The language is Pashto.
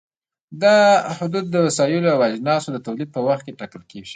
دا حدود د وسایلو او اجناسو د تولید په وخت کې ټاکل کېږي.